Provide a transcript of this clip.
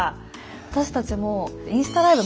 私たちもインスタライブ